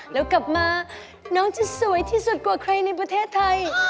แล้วกลับมาน้องจะสวยที่สุดกว่าใครในประเทศไทย